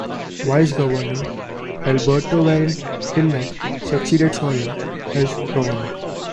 Vice-governor Alberto Weretilneck succeeded Soria as governor.